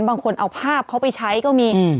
บางคนเอาภาพเขาไปใช้ก็มี